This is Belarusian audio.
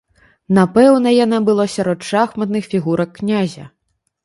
Напэўна яна была сярод шахматных фігурак князя.